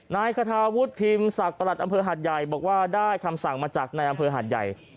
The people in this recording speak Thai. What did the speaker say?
นายคาทาวุฒิพิมพ์ศักดิ์ประหลัดอำเภอหาดใหญ่บอกว่าได้คำสั่งมาจากในอำเภอหาดใหญ่